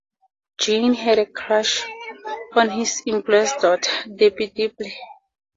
Gene had a crush on his employer's daughter, Debbie Dibley.